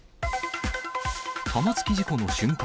玉突き事故の瞬間。